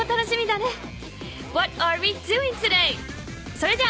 それじゃあ。